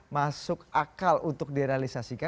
masuk akal untuk direalisasikan